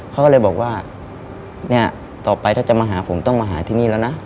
เขาก็เลยบอกว่าเนี่ยต่อไปถ้าจะมาหาผมต้องมาหาที่นี่แล้วนะ